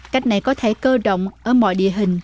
cách này có thể cơ động ở mọi địa hình